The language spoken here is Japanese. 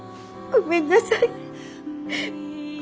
ごめんなさい。